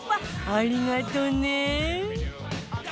ありがとね